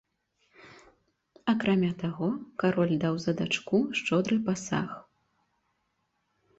Акрамя таго, кароль даў за дачку шчодры пасаг.